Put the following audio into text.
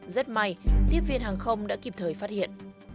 rất may tiếp viên hàng không đã kịp thời phát hiện